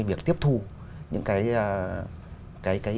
việc tiếp thu những cái